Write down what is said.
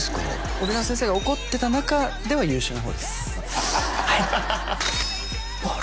先生が怒ってた中では優秀な方です